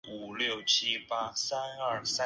文革中受迫害。